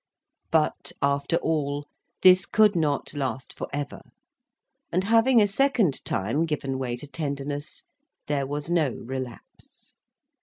But, after all, this could not last for ever; and, having a second time given way to tenderness, there was no relapse.